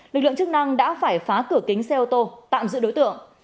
lực lượng chức năng đã phải phá cửa kính xe ô tô tạm giữ đối tượng